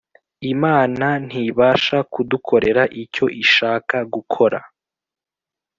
Imana ntibasha kudukorera icyo ishaka gukora